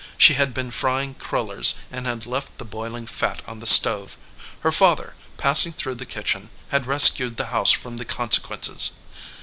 She had been frying" crullers and had left the boiling fat on the stove : her father, passing through the kitchen, had rescued the house from the conse quences.